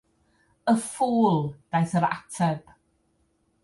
“Y ffŵl”, daeth yr ateb.